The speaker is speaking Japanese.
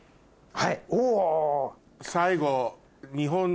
はい。